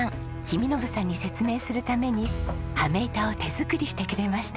公伸さんに説明するために羽目板を手作りしてくれました。